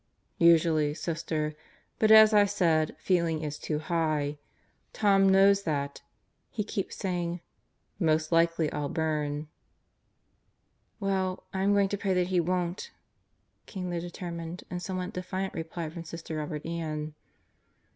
"Usually, Sister. But, as I said, feeling is too high. Tom knows that. He keeps saying: 'Most likely I'll burn.' " "Well, I'm going to pray that he won't," came the determined and somewhat defiant reply from Sister Robert Ann.